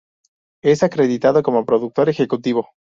Es acreditado como productor ejecutivo.